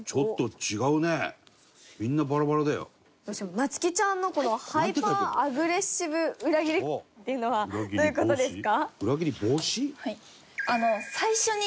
夏姫ちゃんのこの「ハイパーアグレッシブ裏切り」っていうのはどういう事ですか？